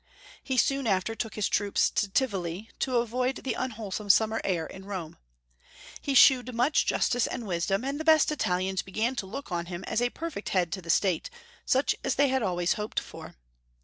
He soon after took his troops to Tivoli, to avoid the un wholesome simimer air in Rome. He shewed much justice and wisdom, and the best Italians began to look on him as a perfect head to the State, such as they had always hoped for.